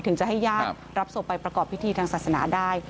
ถึงจะให้ญาติรับศพไปประกอบพิธีทางศาสนาได้